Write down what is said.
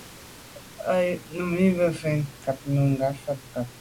Á wʉ́ Nùmí fə̀ ə́ fáŋ ntɔ́ nkáà Nùgà fáà bɔ̀.